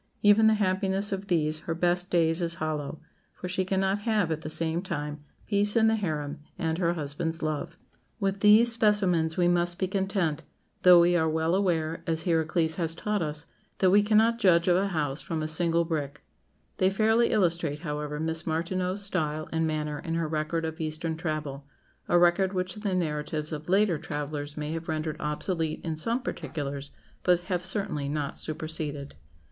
even the happiness of these her best days is hollow, for she cannot have, at the same time, peace in the harem and her husband's love." With these specimens we must be content, though we are well aware, as Hierocles has taught us, that we cannot judge of a house from a single brick. They fairly illustrate, however, Miss Martineau's style and manner in her record of Eastern travel a record which the narratives of later travellers may have rendered obsolete in some particulars, but have certainly not superseded.